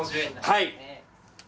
はい。